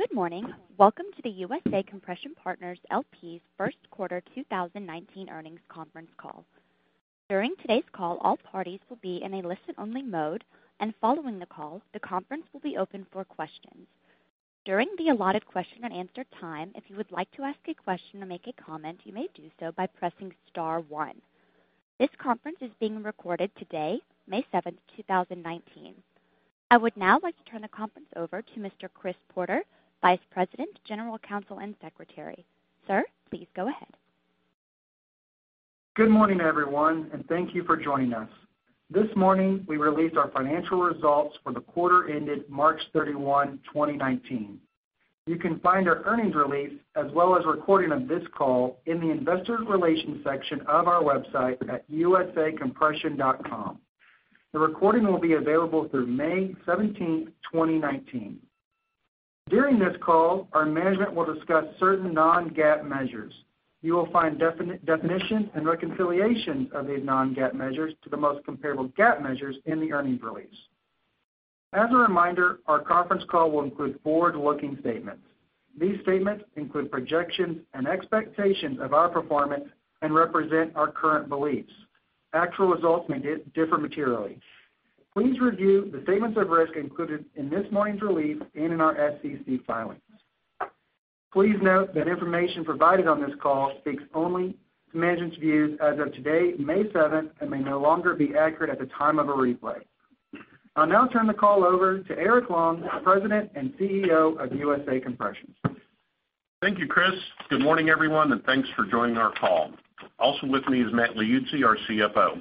Good morning. Welcome to the USA Compression Partners LP's first quarter 2019 earnings conference call. During today's call, all parties will be in a listen-only mode. Following the call, the conference will be open for questions. During the allotted question-and-answer time, if you would like to ask a question or make a comment, you may do so by pressing star one. This conference is being recorded today, May 7th, 2019. I would now like to turn the conference over to Mr. Chris Porter, Vice President, General Counsel, and Secretary. Sir, please go ahead. Good morning, everyone, and thank you for joining us. This morning, we released our financial results for the quarter ended March 31, 2019. You can find our earnings release, as well as recording of this call in the investor relations section of our website at usacompression.com. The recording will be available through May 17th, 2019. During this call, our management will discuss certain non-GAAP measures. You will find definitions and reconciliations of these non-GAAP measures to the most comparable GAAP measures in the earnings release. As a reminder, our conference call will include forward-looking statements. These statements include projections and expectations of our performance and represent our current beliefs. Actual results may differ materially. Please review the statements of risk included in this morning's release and in our SEC filings. Please note that information provided on this call speaks only to management's views as of today, May 7th, and may no longer be accurate at the time of a replay. I'll now turn the call over to Eric Long, President and CEO of USA Compression. Thank you, Chris. Good morning, everyone, and thanks for joining our call. Also with me is Matt Liuzzi, our CFO.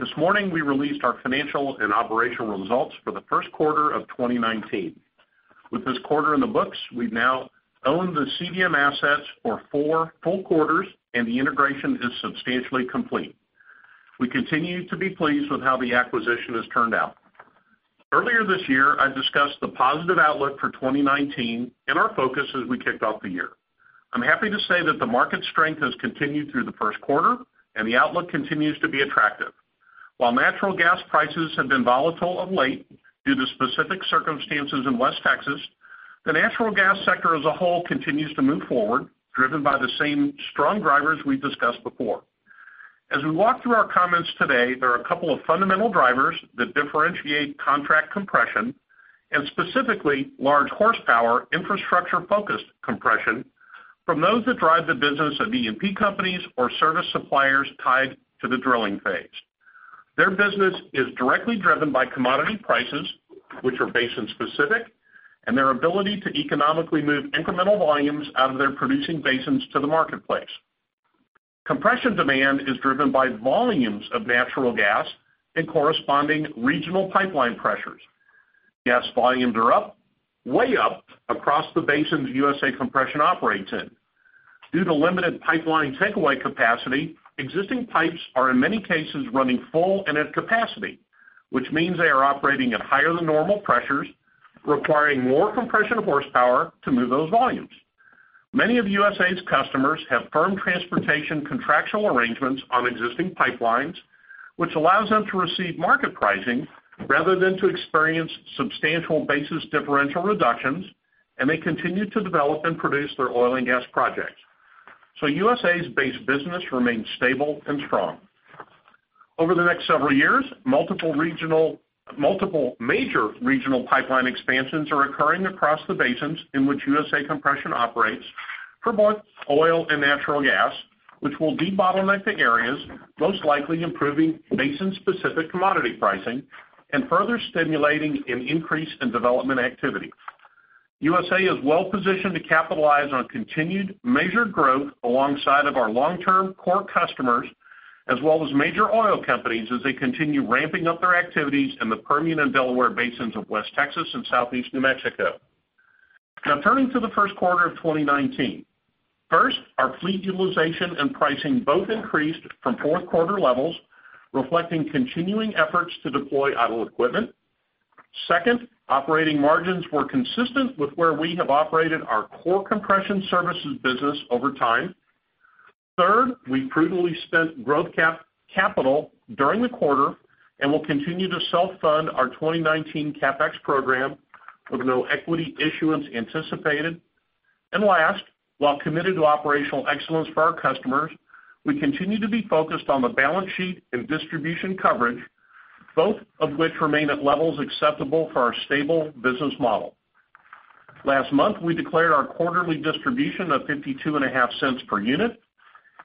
This morning, we released our financial and operational results for the first quarter of 2019. With this quarter in the books, we now own the CDM assets for four full quarters. The integration is substantially complete. We continue to be pleased with how the acquisition has turned out. Earlier this year, I discussed the positive outlook for 2019 and our focus as we kicked off the year. I'm happy to say that the market strength has continued through the first quarter and the outlook continues to be attractive. While natural gas prices have been volatile of late due to specific circumstances in West Texas, the natural gas sector as a whole continues to move forward, driven by the same strong drivers we've discussed before. As we walk through our comments today, there are a couple of fundamental drivers that differentiate contract compression and specifically large horsepower, infrastructure-focused compression from those that drive the business of E&P companies or service suppliers tied to the drilling phase. Their business is directly driven by commodity prices, which are basin specific, and their ability to economically move incremental volumes out of their producing basins to the marketplace. Compression demand is driven by volumes of natural gas and corresponding regional pipeline pressures. Gas volumes are up, way up across the basins USA Compression operates in. Due to limited pipeline takeaway capacity, existing pipes are in many cases running full and at capacity, which means they are operating at higher than normal pressures, requiring more compression horsepower to move those volumes. Many of USA's customers have firm transportation contractual arrangements on existing pipelines, which allows them to receive market pricing rather than to experience substantial basis differential reductions, and they continue to develop and produce their oil and gas projects. USA's base business remains stable and strong. Over the next several years, multiple major regional pipeline expansions are occurring across the basins in which USA Compression operates for both oil and natural gas, which will debottleneck the areas, most likely improving basin-specific commodity pricing and further stimulating an increase in development activity. USA is well positioned to capitalize on continued measured growth alongside of our long-term core customers, as well as major oil companies as they continue ramping up their activities in the Permian and Delaware basins of West Texas and Southeast New Mexico. Turning to the first quarter of 2019. First, our fleet utilization and pricing both increased from fourth quarter levels, reflecting continuing efforts to deploy idle equipment. Second, operating margins were consistent with where we have operated our core compression services business over time. Third, we prudently spent growth capital during the quarter and will continue to self-fund our 2019 CapEx program with no equity issuance anticipated. Last, while committed to operational excellence for our customers, we continue to be focused on the balance sheet and distribution coverage, both of which remain at levels acceptable for our stable business model. Last month, we declared our quarterly distribution of $0.525 per unit.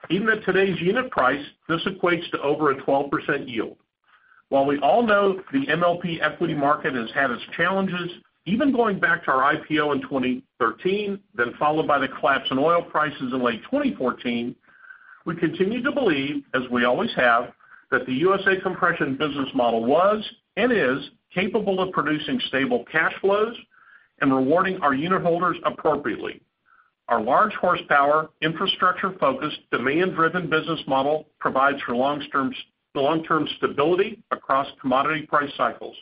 Even at today's unit price, this equates to over a 12% yield. While we all know the MLP equity market has had its challenges, even going back to our IPO in 2013, then followed by the collapse in oil prices in late 2014, we continue to believe, as we always have, that the USA Compression business model was and is capable of producing stable cash flows and rewarding our unit holders appropriately. Our large horsepower, infrastructure-focused, demand-driven business model provides for long-term stability across commodity price cycles.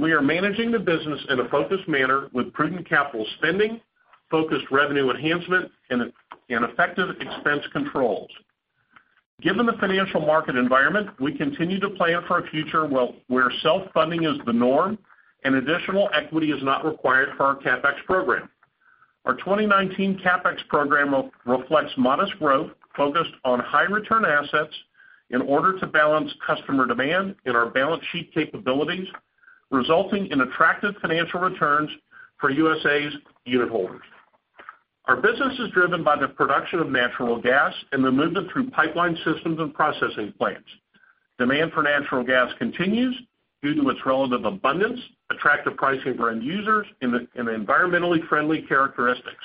We are managing the business in a focused manner with prudent capital spending, focused revenue enhancement, and effective expense controls. Given the financial market environment, we continue to plan for a future where self-funding is the norm and additional equity is not required for our CapEx program. Our 2019 CapEx program reflects modest growth focused on high-return assets in order to balance customer demand and our balance sheet capabilities, resulting in attractive financial returns for USA's unit holders. Our business is driven by the production of natural gas and the movement through pipeline systems and processing plants. Demand for natural gas continues due to its relative abundance, attractive pricing for end users, and the environmentally friendly characteristics.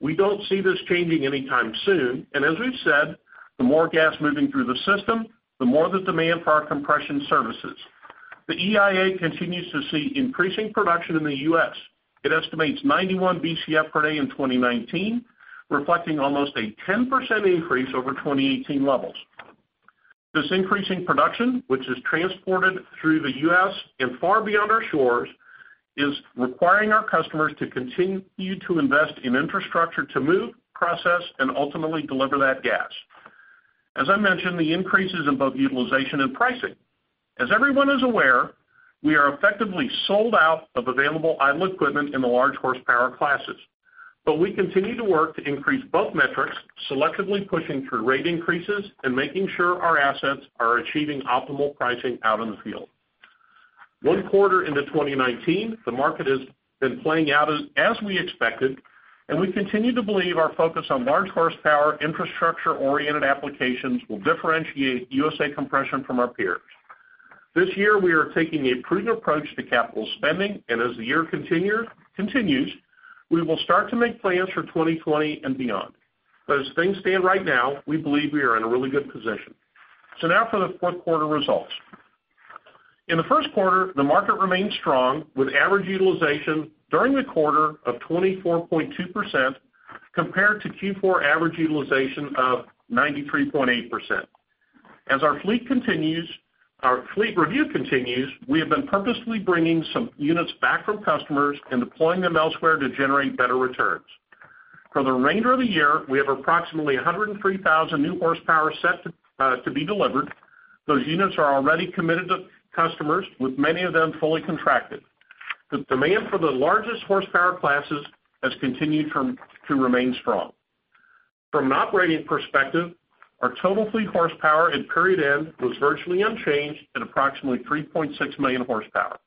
We don't see this changing anytime soon. As we've said, the more gas moving through the system, the more the demand for our compression services. The EIA continues to see increasing production in the U.S. It estimates 91 BCF per day in 2019, reflecting almost a 10% increase over 2018 levels. This increasing production, which is transported through the U.S. and far beyond our shores, is requiring our customers to continue to invest in infrastructure to move, process, and ultimately deliver that gas. As I mentioned, the increases in both utilization and pricing. As everyone is aware, we are effectively sold out of available idle equipment in the large horsepower classes. We continue to work to increase both metrics, selectively pushing through rate increases and making sure our assets are achieving optimal pricing out in the field. One quarter into 2019, the market has been playing out as we expected. We continue to believe our focus on large horsepower, infrastructure-oriented applications will differentiate USA Compression from our peers. This year, we are taking a prudent approach to capital spending. As the year continues, we will start to make plans for 2020 and beyond. As things stand right now, we believe we are in a really good position. Now for the fourth quarter results. In the first quarter, the market remained strong with average utilization during the quarter of 24.2%, compared to Q4 average utilization of 93.8%. As our fleet review continues, we have been purposely bringing some units back from customers and deploying them elsewhere to generate better returns. For the remainder of the year, we have approximately 103,000 new horsepower set to be delivered. Those units are already committed to customers, with many of them fully contracted. The demand for the largest horsepower classes has continued to remain strong. From an operating perspective, our total fleet horsepower at period end was virtually unchanged at approximately 3.6 million horsepower.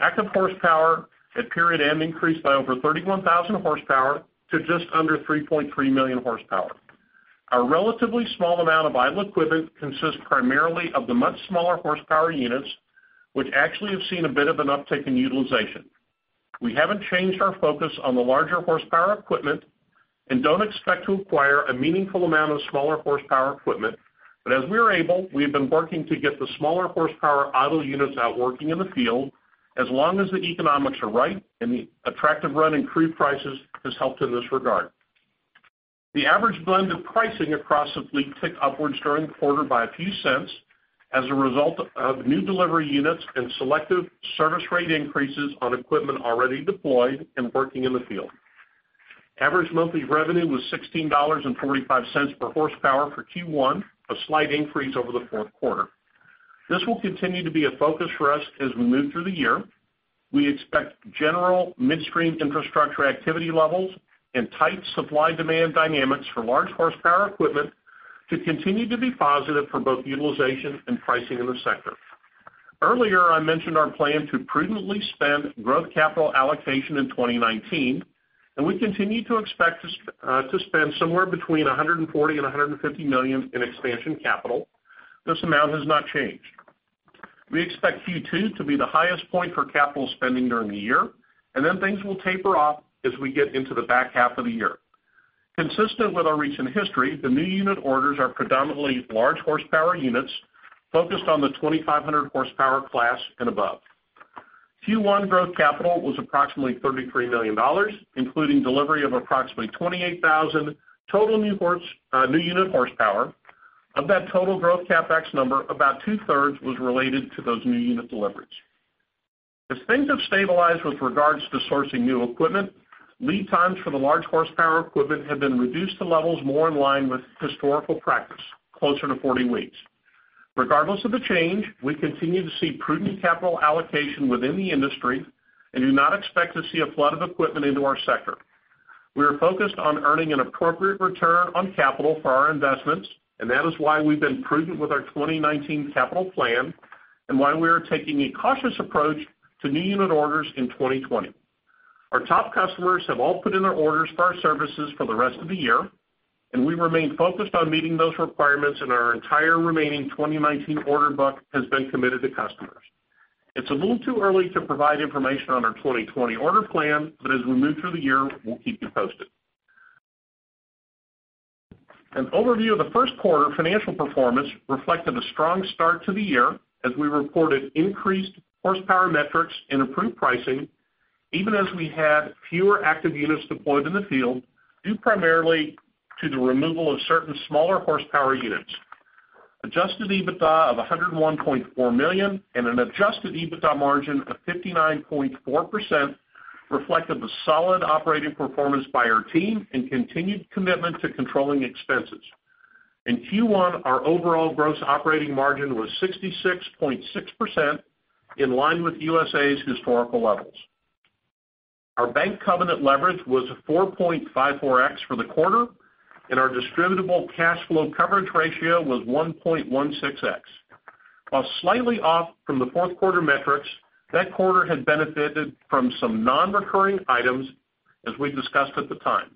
Active horsepower at period end increased by over 31,000 horsepower to just under 3.3 million horsepower. Our relatively small amount of idle equipment consists primarily of the much smaller horsepower units, which actually have seen a bit of an uptick in utilization. We haven't changed our focus on the larger horsepower equipment and don't expect to acquire a meaningful amount of smaller horsepower equipment. As we are able, we have been working to get the smaller horsepower idle units out working in the field as long as the economics are right and the attractive run increased prices has helped in this regard. The average blend of pricing across the fleet ticked upwards during the quarter by a few cents as a result of new delivery units and selective service rate increases on equipment already deployed and working in the field. Average monthly revenue was $16.45 per horsepower for Q1, a slight increase over the fourth quarter. This will continue to be a focus for us as we move through the year. We expect general midstream infrastructure activity levels and tight supply-demand dynamics for large horsepower equipment to continue to be positive for both utilization and pricing in the sector. Earlier, I mentioned our plan to prudently spend growth capital allocation in 2019, we continue to expect to spend somewhere between $140 million and $150 million in expansion capital. This amount has not changed. We expect Q2 to be the highest point for capital spending during the year, things will taper off as we get into the back half of the year. Consistent with our recent history, the new unit orders are predominantly large horsepower units focused on the 2,500 horsepower class and above. Q1 growth capital was approximately $33 million, including delivery of approximately 28,000 total new unit horsepower. Of that total growth CapEx number, about two-thirds was related to those new unit deliveries. As things have stabilized with regards to sourcing new equipment, lead times for the large horsepower equipment have been reduced to levels more in line with historical practice, closer to 40 weeks. Regardless of the change, we continue to see prudent capital allocation within the industry and do not expect to see a flood of equipment into our sector. We are focused on earning an appropriate return on capital for our investments, and that is why we've been prudent with our 2019 capital plan and why we are taking a cautious approach to new unit orders in 2020. Our top customers have all put in their orders for our services for the rest of the year, and we remain focused on meeting those requirements, and our entire remaining 2019 order book has been committed to customers. It's a little too early to provide information on our 2020 order plan, as we move through the year, we'll keep you posted. An overview of the first quarter financial performance reflected a strong start to the year as we reported increased horsepower metrics and improved pricing, even as we had fewer active units deployed in the field, due primarily to the removal of certain smaller horsepower units. Adjusted EBITDA of $101.4 million and an adjusted EBITDA margin of 59.4%, reflected the solid operating performance by our team and continued commitment to controlling expenses. In Q1, our overall gross operating margin was 66.6%, in line with USA's historical levels. Our bank covenant leverage was 4.54x for the quarter. Our distributable cash flow coverage ratio was 1.16x. While slightly off from the fourth quarter metrics, that quarter had benefited from some non-recurring items as we discussed at the time.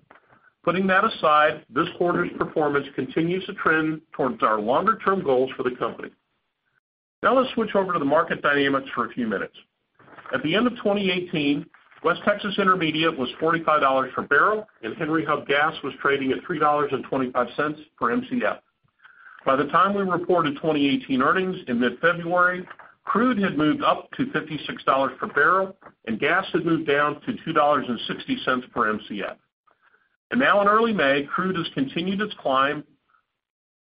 Putting that aside, this quarter's performance continues to trend towards our longer-term goals for the company. Now let's switch over to the market dynamics for a few minutes. At the end of 2018, West Texas Intermediate was $45 per barrel, and Henry Hub gas was trading at $3.25 per Mcf. By the time we reported 2018 earnings in mid-February, crude had moved up to $56 per barrel and gas had moved down to $2.60 per Mcf. Now in early May, crude has continued its climb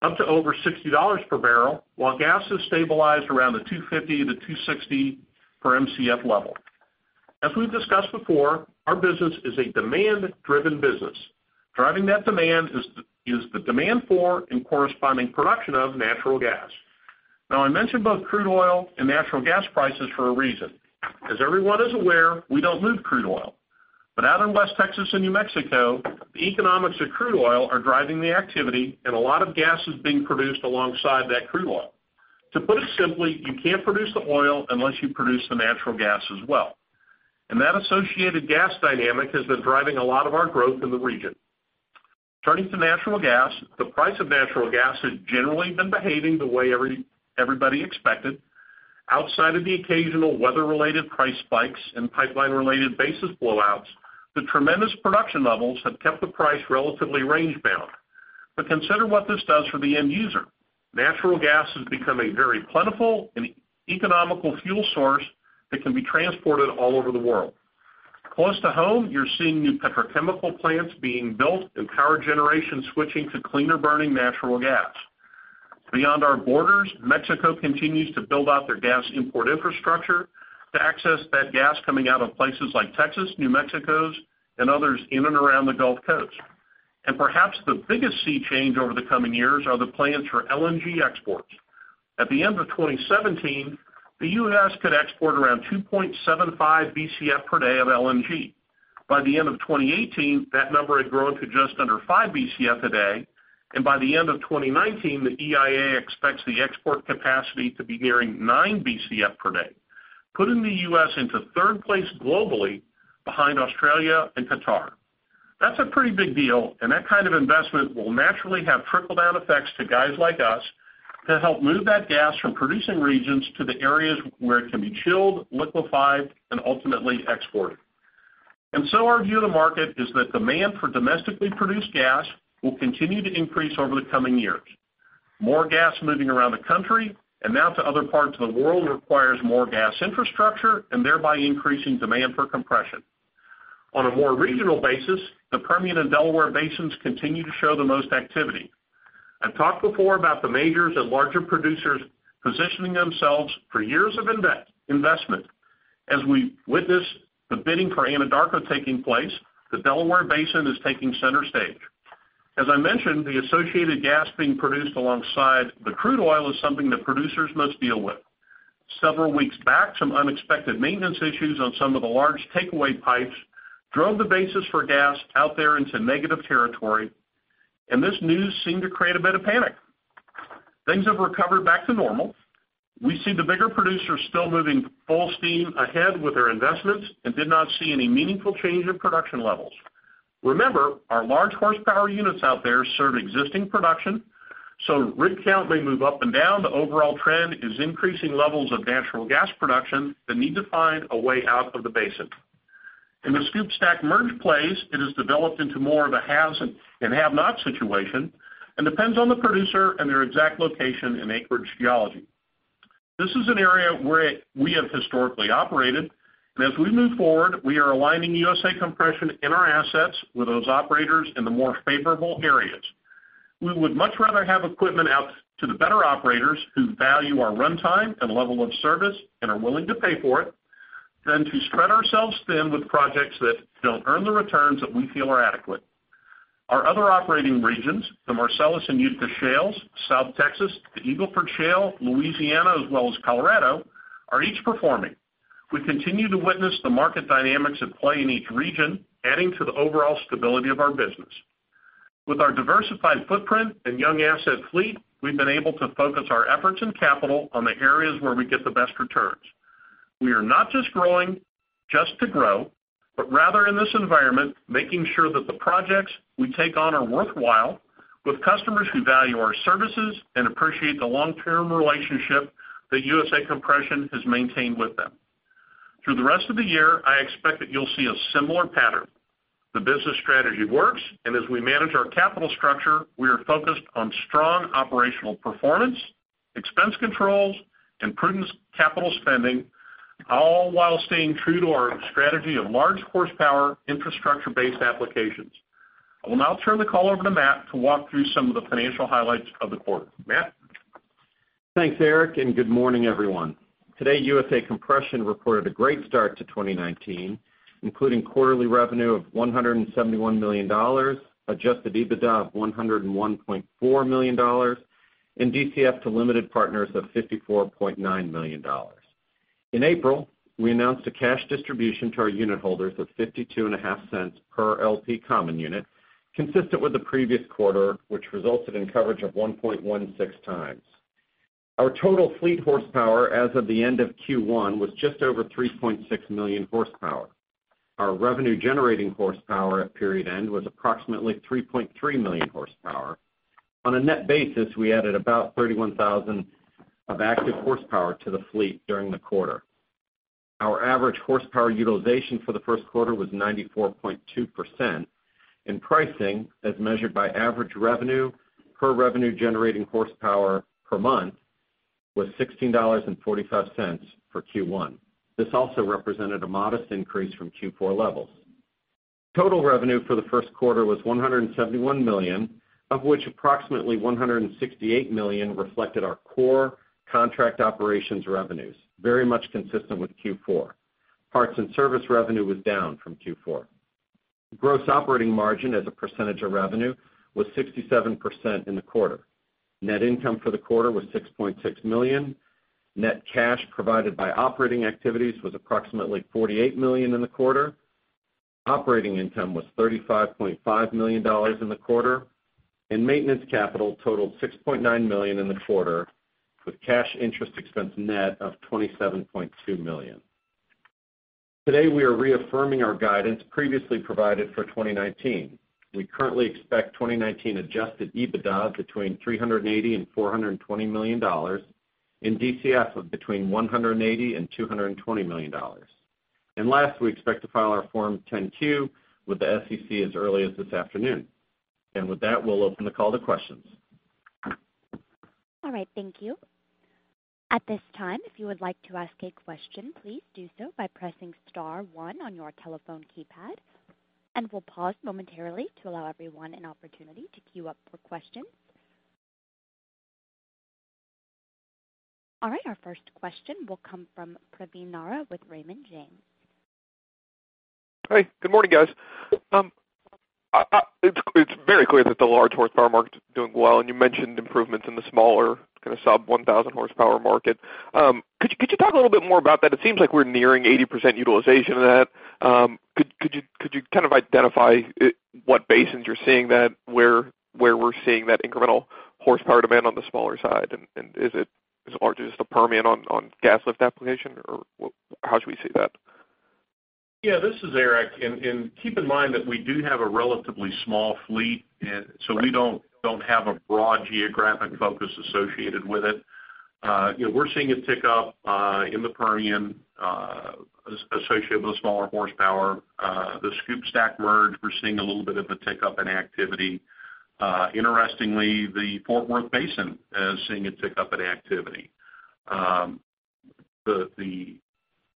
up to over $60 per barrel, while gas has stabilized around the $2.50-$2.60 per Mcf level. As we've discussed before, our business is a demand-driven business. Driving that demand is the demand for and corresponding production of natural gas. I mentioned both crude oil and natural gas prices for a reason. As everyone is aware, we don't move crude oil. Out in West Texas and New Mexico, the economics of crude oil are driving the activity and a lot of gas is being produced alongside that crude oil. To put it simply, you can't produce the oil unless you produce the natural gas as well. That associated gas dynamic has been driving a lot of our growth in the region. Turning to natural gas, the price of natural gas has generally been behaving the way everybody expected. Outside of the occasional weather-related price spikes and pipeline-related basis blowouts, the tremendous production levels have kept the price relatively range-bound. Consider what this does for the end user. Natural gas has become a very plentiful and economical fuel source that can be transported all over the world. Close to home, you're seeing new petrochemical plants being built and power generations switching to cleaner-burning natural gas. Beyond our borders, Mexico continues to build out their gas import infrastructure to access that gas coming out of places like Texas, New Mexico, and others in and around the Gulf Coast. Perhaps the biggest sea change over the coming years are the plans for LNG exports. At the end of 2017, the U.S. could export around 2.75 Bcf per day of LNG. By the end of 2018, that number had grown to just under 5 Bcf per day. By the end of 2019, the EIA expects the export capacity to be nearing 9 Bcf per day, putting the U.S. into third place globally behind Australia and Qatar. That's a pretty big deal. That kind of investment will naturally have trickle-down effects to guys like us to help move that gas from producing regions to the areas where it can be chilled, liquified, and ultimately exported. Our view of the market is that demand for domestically produced gas will continue to increase over the coming years. More gas moving around the country and now to other parts of the world requires more gas infrastructure, thereby increasing demand for compression. On a more regional basis, the Permian and Delaware basins continue to show the most activity. I've talked before about the majors and larger producers positioning themselves for years of investment. As we witness the bidding for Anadarko taking place, the Delaware basin is taking center stage. As I mentioned, the associated gas being produced alongside the crude oil is something that producers must deal with. Several weeks back, some unexpected maintenance issues on some of the large takeaway pipes drove the basis for gas out there into negative territory. This news seemed to create a bit of panic. Things have recovered back to normal. We see the bigger producers still moving full steam ahead with their investments and did not see any meaningful change in production levels. Remember, our large horsepower units out there serve existing production, so rig count may move up and down. The overall trend is increasing levels of natural gas production that need to find a way out of the basin. In the SCOOP/STACK Merge plays, it has developed into more of a haves and have-not situation, and depends on the producer and their exact location and acreage geology. This is an area where we have historically operated, and as we move forward, we are aligning USA Compression and our assets with those operators in the more favorable areas. We would much rather have equipment out to the better operators who value our runtime and level of service and are willing to pay for it, than to spread ourselves thin with projects that don't earn the returns that we feel are adequate. Our other operating regions, the Marcellus and Utica Shales, South Texas, the Eagle Ford Shale, Louisiana, as well as Colorado, are each performing. We continue to witness the market dynamics at play in each region, adding to the overall stability of our business. With our diversified footprint and young asset fleet, we've been able to focus our efforts and capital on the areas where we get the best returns. We are not just growing just to grow, but rather in this environment, making sure that the projects we take on are worthwhile with customers who value our services and appreciate the long-term relationship that USA Compression has maintained with them. Through the rest of the year, I expect that you'll see a similar pattern. The business strategy works, and as we manage our capital structure, we are focused on strong operational performance, expense controls, and prudent capital spending, all while staying true to our strategy of large horsepower infrastructure-based applications. I will now turn the call over to Matt to walk through some of the financial highlights of the quarter. Matt? Thanks, Eric, and good morning, everyone. Today, USA Compression reported a great start to 2019, including quarterly revenue of $171 million, adjusted EBITDA of $101.4 million, and DCF to limited partners of $54.9 million. In April, we announced a cash distribution to our unit holders of $0.525 per LP common unit, consistent with the previous quarter, which resulted in coverage of 1.16 times. Our total fleet horsepower as of the end of Q1 was just over 3.6 million horsepower. Our revenue-generating horsepower at period end was approximately 3.3 million horsepower. On a net basis, we added about 31,000 of active horsepower to the fleet during the quarter. Our average horsepower utilization for the first quarter was 94.2%, and pricing, as measured by average revenue per revenue-generating horsepower per month, was $16.45 for Q1. This also represented a modest increase from Q4 levels. Total revenue for the first quarter was $171 million, of which approximately $168 million reflected our core contract operations revenues, very much consistent with Q4. Parts and service revenue was down from Q4. Gross operating margin as a percentage of revenue was 67% in the quarter. Net income for the quarter was $6.6 million. Net cash provided by operating activities was approximately $48 million in the quarter. Operating income was $35.5 million in the quarter, and maintenance capital totaled $6.9 million in the quarter, with cash interest expense net of $27.2 million. Today, we are reaffirming our guidance previously provided for 2019. We currently expect 2019 adjusted EBITDA between $380 million and $420 million, and DCF of between $180 million and $220 million. Last, we expect to file our Form 10-Q with the SEC as early as this afternoon. With that, we'll open the call to questions. All right, thank you. At this time, if you would like to ask a question, please do so by pressing *1 on your telephone keypad, and we'll pause momentarily to allow everyone an opportunity to queue up for questions. All right, our first question will come from Praveen Narra with Raymond James. Hi. Good morning, guys. It's very clear that the large horsepower market is doing well, and you mentioned improvements in the smaller, kind of sub-1,000 horsepower market. Could you talk a little bit more about that? It seems like we're nearing 80% utilization of that. Could you kind of identify what basins you're seeing that, where we're seeing that incremental horsepower demand on the smaller side, and is it as large as the Permian on gas lift application, or how should we see that? Yeah, this is Eric. Keep in mind that we do have a relatively small fleet, so we don't have a broad geographic focus associated with it. We're seeing a tick up in the Permian associated with a smaller horsepower. The SCOOP/STACK Merge, we're seeing a little bit of a tick up in activity. Interestingly, the Fort Worth basin is seeing a tick up in activity. The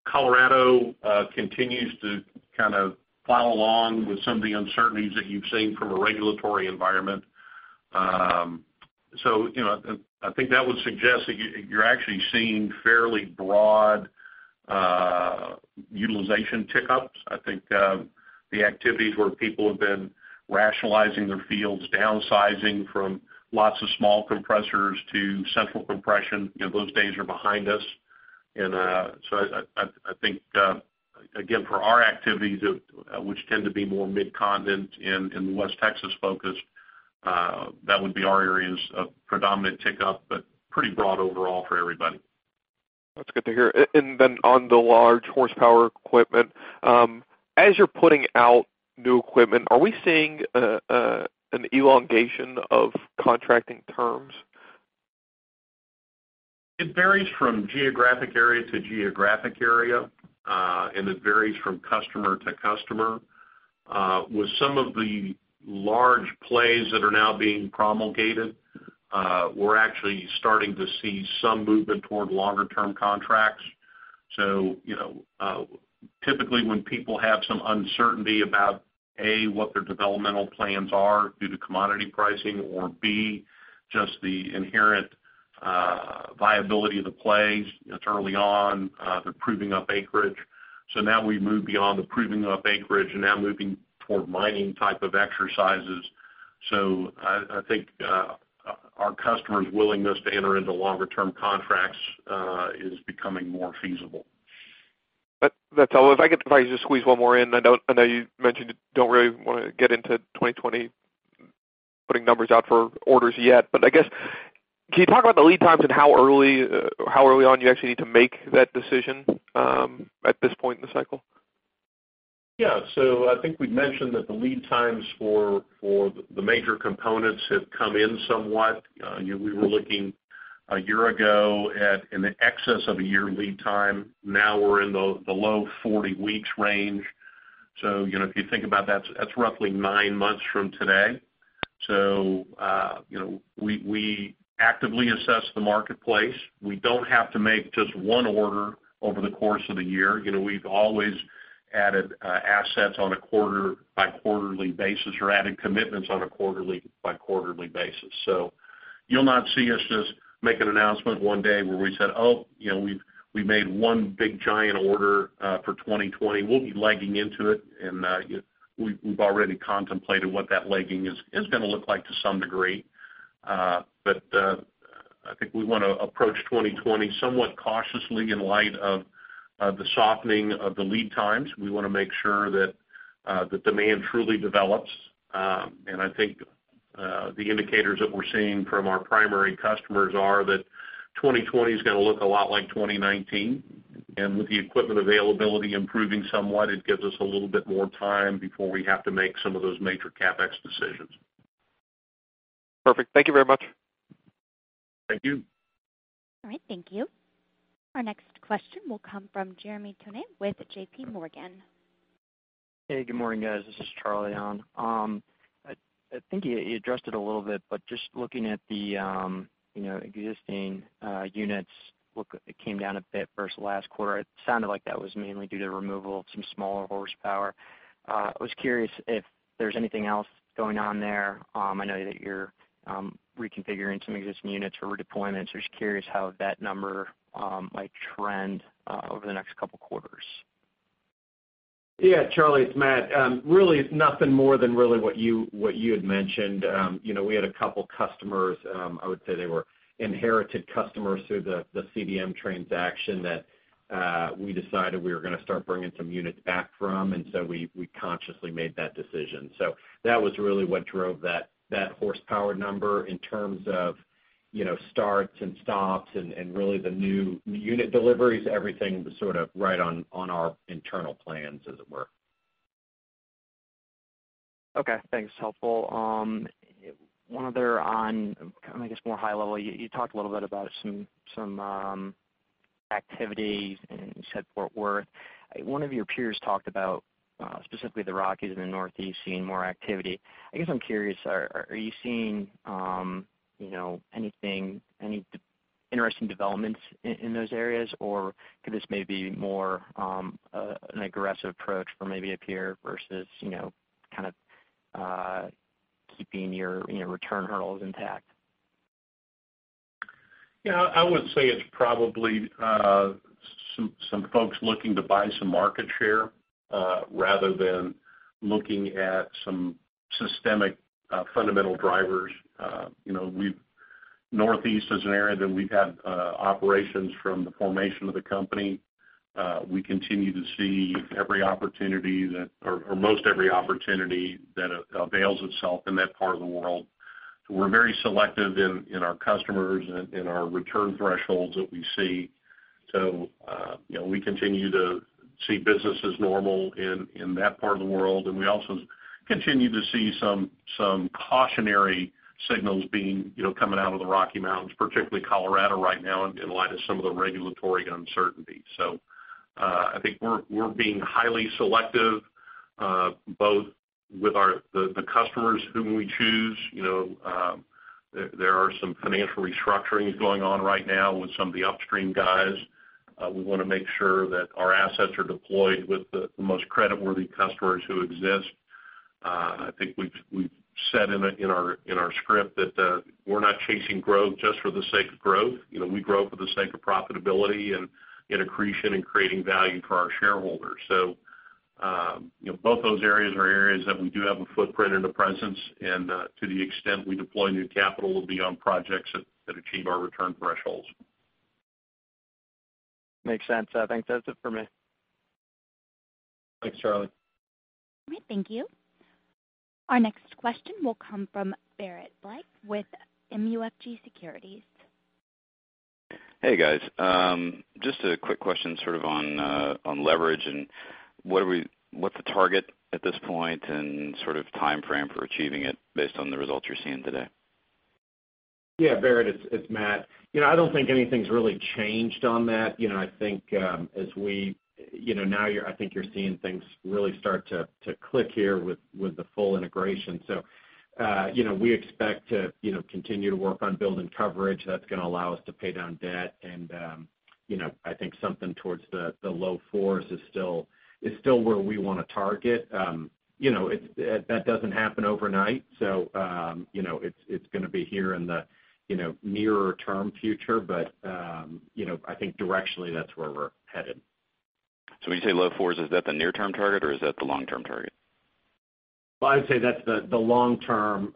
Colorado continues to kind of follow along with some of the uncertainties that you've seen from a regulatory environment. I think that would suggest that you're actually seeing fairly broad utilization tick ups. I think the activities where people have been rationalizing their fields, downsizing from lots of small compressors to central compression, those days are behind us. I think, again, for our activities, which tend to be more Mid-Continent and West Texas-focused, that would be our areas of predominant tick up, but pretty broad overall for everybody. That's good to hear. On the large horsepower equipment, as you're putting out new equipment, are we seeing an elongation of contracting terms? It varies from geographic area to geographic area, and it varies from customer to customer. With some of the large plays that are now being promulgated, we're actually starting to see some movement toward longer-term contracts. Typically, when people have some uncertainty about, A, what their developmental plans are due to commodity pricing, or B, just the inherent viability of the plays. It's early on. They're proving up acreage. Now we've moved beyond the proving of acreage and now moving toward mining type of exercises. I think our customers' willingness to enter into longer-term contracts is becoming more feasible. That's all. If I could probably just squeeze one more in. I know you mentioned you don't really want to get into 2020, putting numbers out for orders yet. I guess, can you talk about the lead times and how early on you actually need to make that decision at this point in the cycle? Yeah. I think we've mentioned that the lead times for the major components have come in somewhat. We were looking a year ago at an excess of a year lead time. Now we're in the low 40 weeks range. If you think about that's roughly nine months from today. We actively assess the marketplace. We don't have to make just one order over the course of the year. We've always added assets on a quarter-by-quarterly basis or added commitments on a quarterly-by-quarterly basis. You'll not see us just make an announcement one day where we said, "Oh, we made one big giant order for 2020." We'll be legging into it, and we've already contemplated what that legging is going to look like to some degree. I think we want to approach 2020 somewhat cautiously in light of the softening of the lead times. We want to make sure that the demand truly develops. I think, the indicators that we're seeing from our primary customers are that 2020 is going to look a lot like 2019. With the equipment availability improving somewhat, it gives us a little bit more time before we have to make some of those major CapEx decisions. Perfect. Thank you very much. Thank you. All right. Thank you. Our next question will come from Jeremy Tonet with J.P. Morgan. Hey, good morning guys. This is Charlie on. I think you addressed it a little bit. Just looking at the existing units, it came down a bit versus last quarter. It sounded like that was mainly due to removal of some smaller horsepower. I was curious if there's anything else going on there. I know that you're reconfiguring some existing units for redeployments. Just curious how that number might trend over the next couple of quarters. Yeah, Charlie, it's Matt. It's nothing more than really what you had mentioned. We had a couple of customers, I would say they were inherited customers through the CDM transaction that we decided we were going to start bringing some units back from. We consciously made that decision. That was really what drove that horsepower number in terms of starts and stops and really the new unit deliveries, everything was sort of right on our internal plans, as it were. Okay, thanks. Helpful. One other on, I guess, more high level. You talked a little bit about some activities. You said Fort Worth. One of your peers talked about, specifically the Rockies and the Northeast seeing more activity. I guess I'm curious, are you seeing any interesting developments in those areas, or could this may be more an aggressive approach for maybe a peer versus kind of keeping your return hurdles intact? I would say it's probably some folks looking to buy some market share, rather than looking at some systemic fundamental drivers. Northeast is an area that we've had operations from the formation of the company. We continue to see every opportunity or most every opportunity that avails itself in that part of the world. We're very selective in our customers and in our return thresholds that we see. We continue to see business as normal in that part of the world, and we also continue to see some cautionary signals coming out of the Rocky Mountains, particularly Colorado right now in light of some of the regulatory uncertainty. I think we're being highly selective, both with the customers whom we choose. There are some financial restructurings going on right now with some of the upstream guys. We want to make sure that our assets are deployed with the most creditworthy customers who exist. I think we've said in our script that we're not chasing growth just for the sake of growth. We grow for the sake of profitability and accretion and creating value for our shareholders. Both those areas are areas that we do have a footprint and a presence, and to the extent we deploy new capital, will be on projects that achieve our return thresholds. Makes sense. I think that's it for me. Thanks, Charlie. All right. Thank you. Our next question will come from Barrett Blaschke with MUFG Securities. Hey, guys. Just a quick question sort of on leverage and what's the target at this point and sort of timeframe for achieving it based on the results you're seeing today? Yeah, Barrett, it's Matt. I don't think anything's really changed on that. I think now you're seeing things really start to click here with the full integration. We expect to continue to work on building coverage that's going to allow us to pay down debt and, I think something towards the low fours is still where we want to target. That doesn't happen overnight, so, it's going to be here in the nearer term future. I think directionally, that's where we're headed. When you say low fours, is that the near-term target or is that the long-term target? Well, I'd say that's the long term,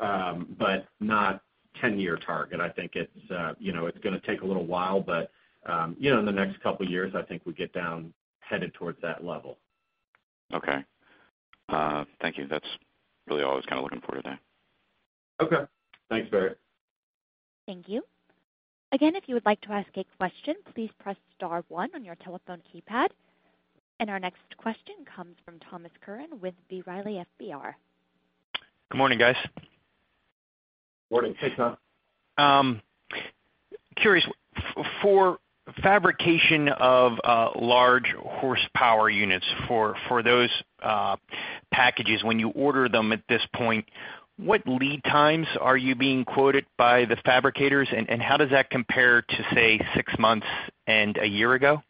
but not 10-year target. I think it's going to take a little while, but in the next couple of years, I think we get down headed towards that level. Okay. Thank you. That's really all I was kind of looking for today. Okay. Thanks, Barrett. Thank you. Again, if you would like to ask a question, please press star one on your telephone keypad. Our next question comes from Thomas Curran with B. Riley FBR. Good morning, guys. Morning. Hey, Tom. Curious, for fabrication of large horsepower units, for those packages, when you order them at this point, what lead times are you being quoted by the fabricators, and how does that compare to, say, six months and a year ago?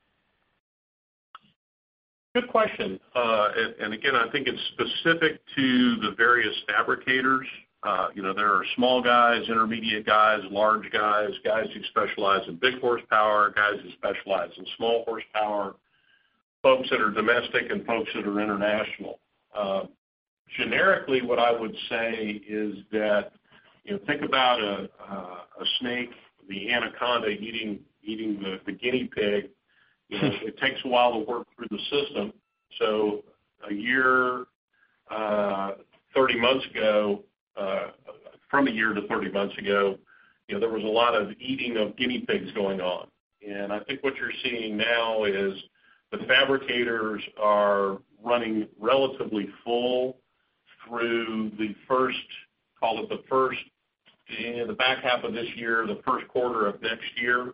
Good question. Again, I think it's specific to the various fabricators. There are small guys, intermediate guys, large guys who specialize in big horsepower, guys who specialize in small horsepower, folks that are domestic, and folks that are international. Generically, what I would say is that, think about a snake, the anaconda eating the guinea pig. It takes a while to work through the system. From a year to 30 months ago, there was a lot of eating of guinea pigs going on. I think what you're seeing now is the fabricators are running relatively full through the first, call it the first, the back half of this year, the first quarter of next year.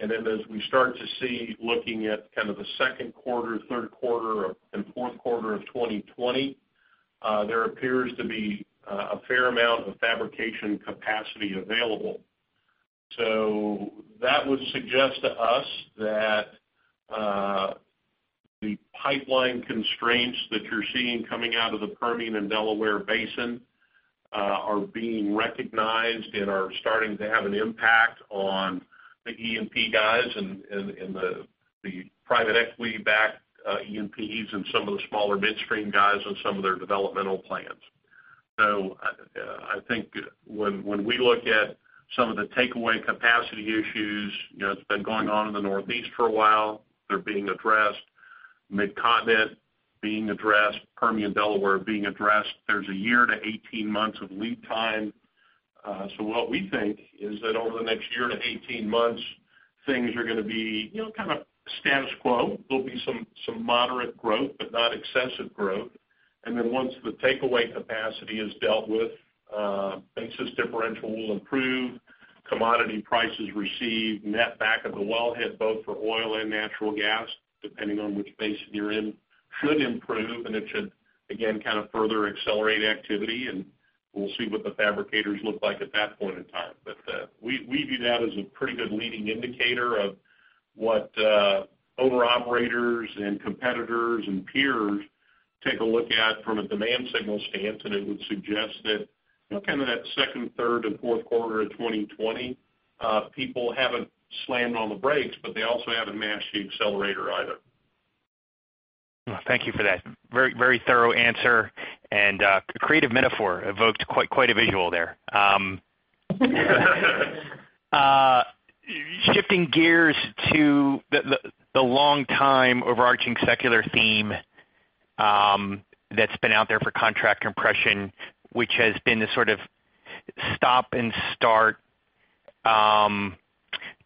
As we start to see looking at kind of the second quarter, third quarter, and fourth quarter of 2020, there appears to be a fair amount of fabrication capacity available. That would suggest to us that the pipeline constraints that you're seeing coming out of the Permian and Delaware Basin are being recognized and are starting to have an impact on the E&P guys and the private equity-backed E&Ps and some of the smaller midstream guys on some of their developmental plans. I think when we look at some of the takeaway capacity issues, it's been going on in the Northeast for a while. They're being addressed. Mid-Continent being addressed, Permian Delaware being addressed. There's a year to 18 months of lead time. What we think is that over the next year to 18 months, things are going to be kind of status quo. There'll be some moderate growth, but not excessive growth. Once the takeaway capacity is dealt with, basis differential will improve, commodity prices received, net back of the wellhead both for oil and natural gas, depending on which basin you're in, should improve. It should, again, kind of further accelerate activity, and we'll see what the fabricators look like at that point in time. We view that as a pretty good leading indicator of what owner operators and competitors and peers take a look at from a demand signal stance. It would suggest that kind of that second, third, and fourth quarter of 2020, people haven't slammed on the brakes, but they also haven't mashed the accelerator either. Thank you for that very thorough answer and creative metaphor. Evoked quite a visual there. Shifting gears to the long time overarching secular theme that's been out there for contract compression, which has been the sort of stop-and-start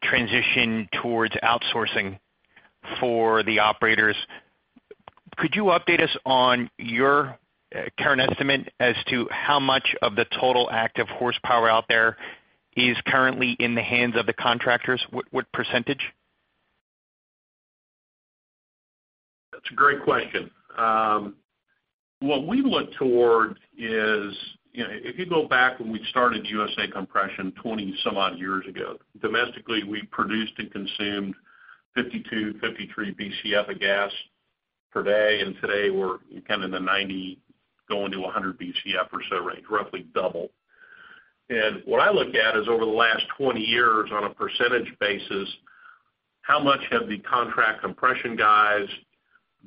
transition towards outsourcing for the operators. Could you update us on your current estimate as to how much of the total active horsepower out there is currently in the hands of the contractors? What percentage? That's a great question. What we look toward is, if you go back when we started USA Compression 20 some odd years ago, domestically, we produced and consumed 52, 53 BCF of gas per day, and today we're kind of in the 90 going to 100 BCF or so range, roughly double. What I look at is over the last 20 years, on a percentage basis, how much have the contract compression guys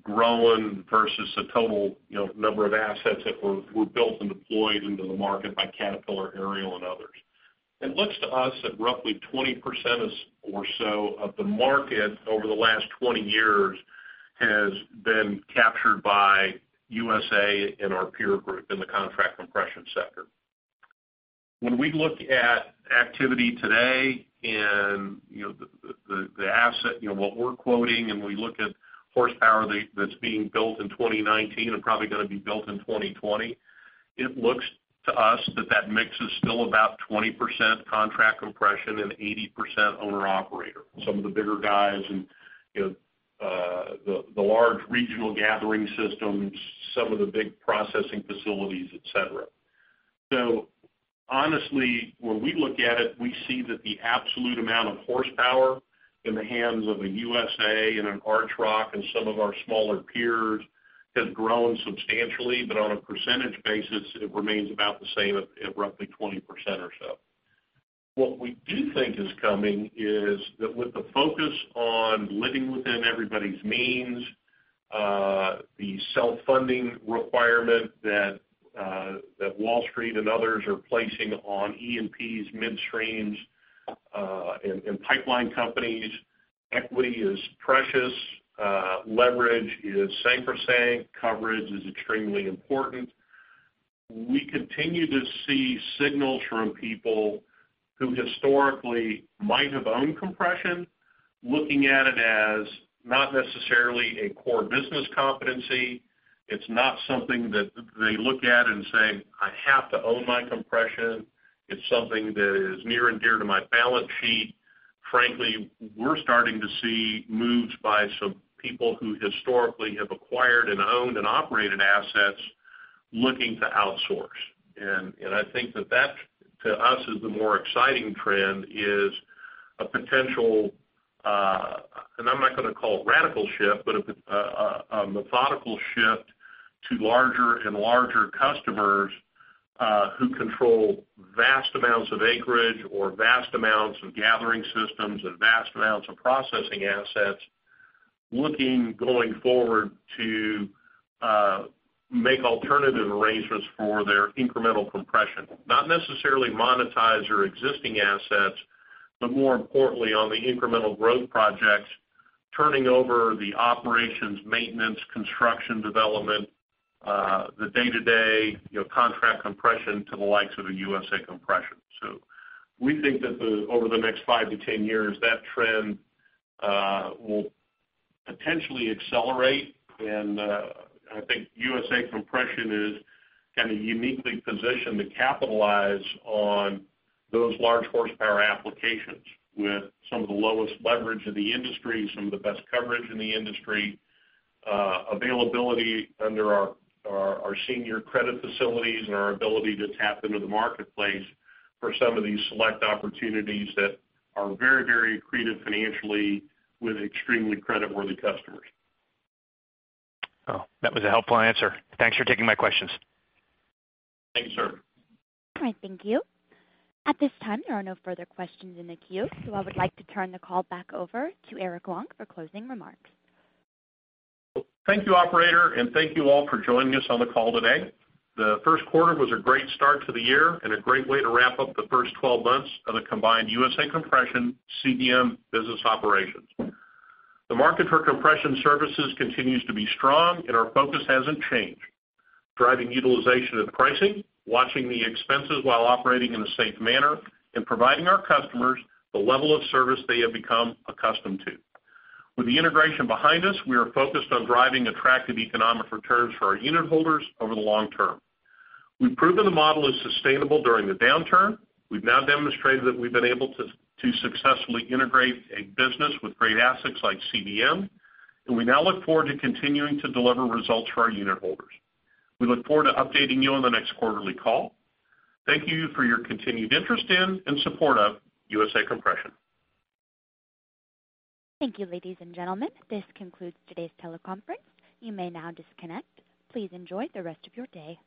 grown versus the total number of assets that were built and deployed into the market by Caterpillar, Ariel, and others. It looks to us that roughly 20% or so of the market over the last 20 years has been captured by USA and our peer group in the contract compression sector. When we look at activity today and the asset, what we're quoting, and we look at horsepower that's being built in 2019 and probably going to be built in 2020, it looks to us that that mix is still about 20% contract compression and 80% owner operator. Some of the bigger guys and the large regional gathering systems, some of the big processing facilities, et cetera. Honestly, when we look at it, we see that the absolute amount of horsepower in the hands of a USA and an Archrock and some of our smaller peers has grown substantially. But on a percentage basis, it remains about the same at roughly 20% or so. What we do think is coming is that with the focus on living within everybody's means, the self-funding requirement that Wall Street and others are placing on E&Ps, midstreams, and pipeline companies, equity is precious. Leverage is sacrosanct. Coverage is extremely important. We continue to see signals from people who historically might have owned compression. Looking at it as not necessarily a core business competency. It's not something that they look at and say, "I have to own my compression. It's something that is near and dear to my balance sheet." Frankly, we're starting to see moves by some people who historically have acquired and owned and operated assets, looking to outsource. I think that that, to us is the more exciting trend, is a potential, and I'm not going to call it radical shift, but a methodical shift to larger and larger customers who control vast amounts of acreage or vast amounts of gathering systems and vast amounts of processing assets, looking going forward to make alternative arrangements for their incremental compression. Not necessarily monetize your existing assets, but more importantly, on the incremental growth projects, turning over the operations, maintenance, construction development, the day-to-day contract compression to the likes of a USA Compression. We think that over the next 5 to 10 years, that trend will potentially accelerate. I think USA Compression is kind of uniquely positioned to capitalize on those large horsepower applications with some of the lowest leverage in the industry, some of the best coverage in the industry, availability under our senior credit facilities and our ability to tap into the marketplace for some of these select opportunities that are very, very accretive financially with extremely creditworthy customers. Oh, that was a helpful answer. Thanks for taking my questions. Thank you, sir. All right. Thank you. At this time, there are no further questions in the queue. I would like to turn the call back over to Eric Long for closing remarks. Thank you, operator. Thank you all for joining us on the call today. The first quarter was a great start to the year and a great way to wrap up the first 12 months of the combined USA Compression CDM business operations. The market for compression services continues to be strong. Our focus hasn't changed. Driving utilization and pricing, watching the expenses while operating in a safe manner, and providing our customers the level of service they have become accustomed to. With the integration behind us, we are focused on driving attractive economic returns for our unit holders over the long term. We've proven the model is sustainable during the downturn. We've now demonstrated that we've been able to successfully integrate a business with great assets like CDM. We now look forward to continuing to deliver results for our unit holders. We look forward to updating you on the next quarterly call. Thank you for your continued interest in and support of USA Compression. Thank you, ladies and gentlemen. This concludes today's teleconference. You may now disconnect. Please enjoy the rest of your day.